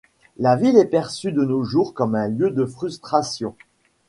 La ville est perçue de nos jours comme un lieu de frustration.